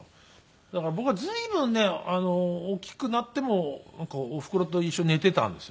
だから僕は随分ね大きくなってもおふくろと一緒に寝ていたんですよね。